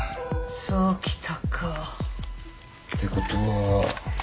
そうきたか。ってことは。